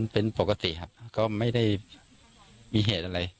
เป็นปกติครับก็ไม่ได้มีเหตุอะไร